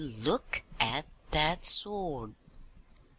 look at that sw word!"